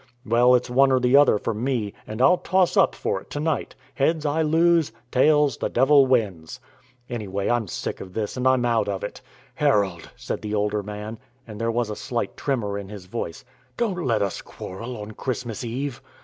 Well, it's one or the other for me, and I'll toss up for it to night: heads, I lose; tails, the devil wins. Anyway, I'm sick of this, and I'm out of it." "Harold," said the older man (and there was a slight tremor in his voice), "don't let us quarrel on Christmas Eve.